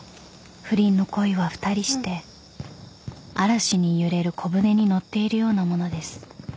［不倫の恋は２人して嵐に揺れる小舟に乗っているようなものです］